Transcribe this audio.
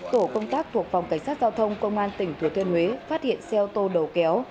tổ công tác thuộc phòng cảnh sát giao thông công an tỉnh thừa thiên huế phát hiện xe ô tô đầu kéo